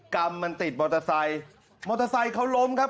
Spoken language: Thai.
กรรมมันติดมอเตอร์ไซค์มอเตอร์ไซค์เขาล้มครับ